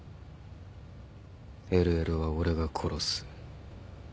ＬＬは俺が殺す。